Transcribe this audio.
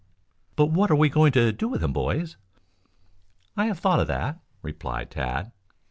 "But what are we going to do with him, boys?" "I have thought of that," replied Tad.